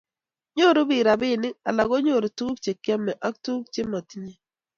Nyoru biik robinik, alak konyoru tuguk chekiame ago tuguk chemotinye